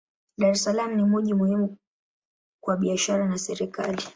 Dar es Salaam ni mji muhimu kwa biashara na serikali.